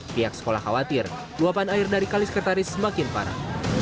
pihak sekolah khawatir luapan air dari kali sekretaris semakin parah